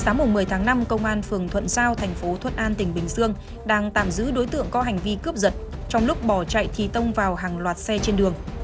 sáng một mươi tháng năm công an phường thuận giao thành phố thuận an tỉnh bình dương đang tạm giữ đối tượng có hành vi cướp giật trong lúc bỏ chạy thì tông vào hàng loạt xe trên đường